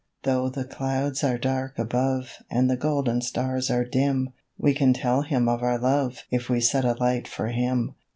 Though the clouds are dark above And the golden stars are dim, We can tell Him of our love If we set a light for Him.